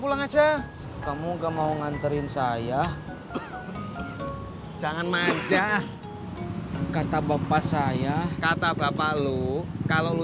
pulang aja kamu ke mau nganterin saya jangan mancah kata bapak saya kata bapak lu kalau lo